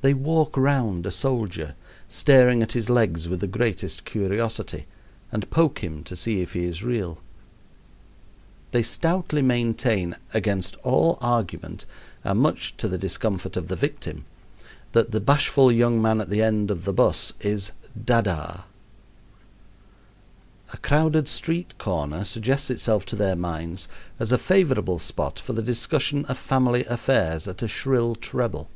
They walk round a soldier, staring at his legs with the greatest curiosity, and poke him to see if he is real. They stoutly maintain, against all argument and much to the discomfort of the victim, that the bashful young man at the end of the 'bus is "dadda." A crowded street corner suggests itself to their minds as a favorable spot for the discussion of family affairs at a shrill treble.